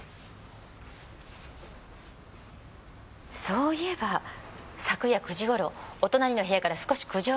そういえば昨夜９時頃お隣の部屋から少し苦情が。